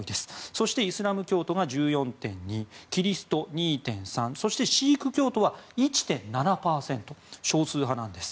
そしてイスラム教徒が１４．２キリスト、２．３％そしてシーク教徒は１．７％と少数派なんです。